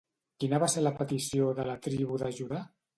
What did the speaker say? Quina va ser la petició de la tribu de Judà?